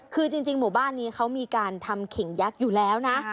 คือจริงหมู่บ้านนี้เขามีการทำเข่งยักษ์อยู่แล้วนะ